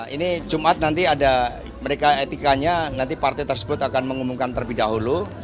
ini jumat nanti ada mereka etikanya nanti partai tersebut akan mengumumkan terlebih dahulu